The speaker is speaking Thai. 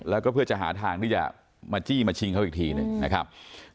แล้วก็เพื่อจะหาทางที่จะมาจี้มาชิงเขาอีกทีหนึ่งนะครับ